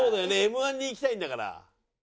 Ｍ−１にいきたいんだから。